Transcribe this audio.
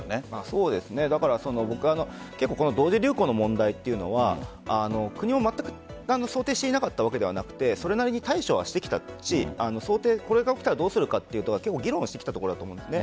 そうですね同時流行の問題っていうのは国もまったく想定していなかったわけではなくてそれなりに対処はしてきたしこれが起きたらどうするかということは議論してきたところだと思うんです。